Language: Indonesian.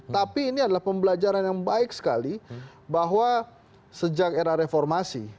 tapi ini adalah pembelajaran yang baik sekali bahwa sejak era reformasi